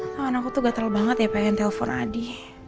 tangan aku tuh gatel banget ya pengen telfon adi